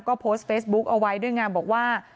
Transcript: ก็โพสต์เฟซบุ๊คเอาไว้ด้วยไงบอกว่า